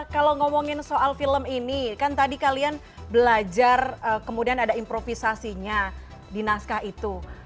kalau ngomongin soal film ini kan tadi kalian belajar kemudian ada improvisasinya di naskah itu